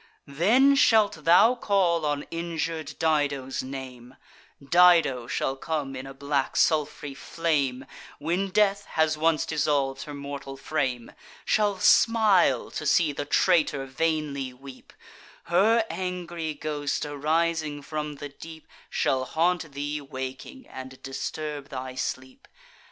Then shalt thou call on injur'd Dido's name: Dido shall come in a black sulph'ry flame, When death has once dissolv'd her mortal frame; Shall smile to see the traitor vainly weep: Her angry ghost, arising from the deep, Shall haunt thee waking, and disturb thy sleep.